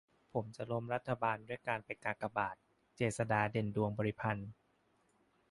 "ผมจะล้มรัฐบาลด้วยการไปกากบาท" - เจษฎา เด่นดวงบริพันธ์